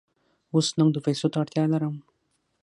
اوس نغدو پیسو ته اړتیا لرم.